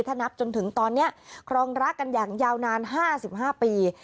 ถ้านับจนถึงตอนเนี้ยครองรักกันอย่างยาวนานห้าสิบห้าปี